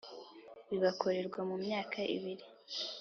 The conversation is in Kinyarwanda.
bibakorerwa mu myaka ibiri